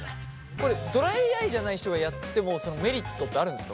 これドライアイじゃない人がやってもメリットってあるんですか？